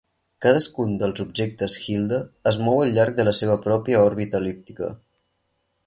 Cadascun dels objectes Hilda es mou al llarg de la seva pròpia òrbita el·líptica.